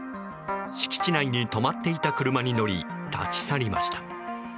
敷地内に止まっていた車に乗り立ち去りました。